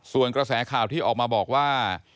ส่วนกระแสข่าวที่ออกมาบอกว่า